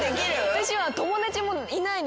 私は。